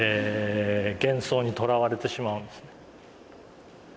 幻想にとらわれてしまうんですね。